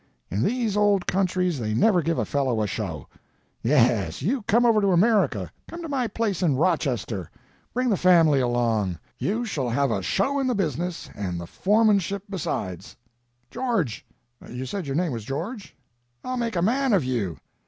In these old countries they never give a fellow a show. Yes, you come over to America—come to my place in Rochester; bring the family along. You shall have a show in the business and the foremanship, besides. George—you said your name was George?—I'll make a man of you.